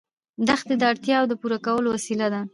دښتې د اړتیاوو د پوره کولو وسیله ده.